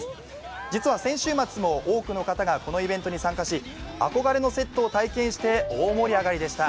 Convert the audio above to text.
実は先週末も多くの方がこのイベントに参加し、憧れのセットを体験して大盛り上がりでした。